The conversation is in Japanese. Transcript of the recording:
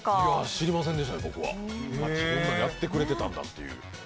知りませんでしたね、僕はこんなんやってくれてたんだっていう。